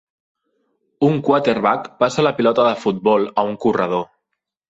Un quarterback passa la pilota de futbol a un corredor.